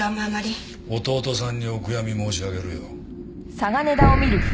弟さんにお悔やみ申し上げるよ。